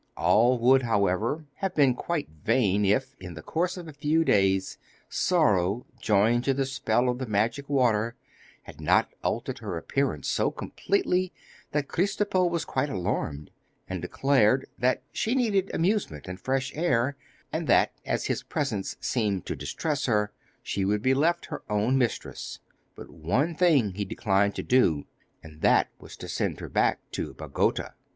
All would, however, have been quite vain if, in the course of a few days, sorrow, joined to the spell of the magic water, had not altered her appearance so completely that Kristopo was quite alarmed, and declared that she needed amusement and fresh air, and that, as his presence seemed to distress her, she should be left her own mistress. But one thing he declined to do, and that was to send her back to Bagota.